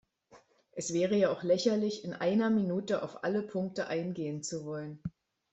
Es wäre ja auch lächerlich, in einer Minute auf alle Punkte eingehen zu wollen.